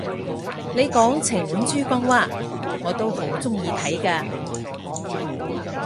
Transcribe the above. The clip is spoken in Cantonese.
你講情滿珠江咓，我都好鍾意睇㗎！